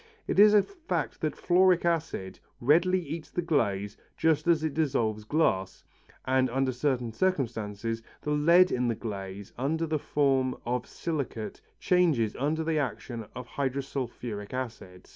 It is a fact that fluoric acid readily eats the glaze just as it dissolves glass, and under certain circumstances the lead in the glaze under the form of silicate changes under the action of hydrosulphuric acid.